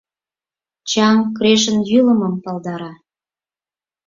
Чаҥ Крешын йӱлымым палдара.